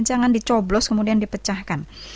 jangan dicoblos kemudian dipecahkan